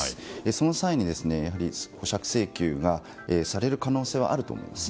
その際に保釈請求がされる可能性はあると思います。